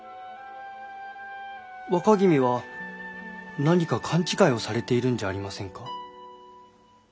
若君は何か勘違いをされているんじゃありませんか？